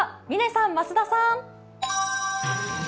嶺さん、増田さん！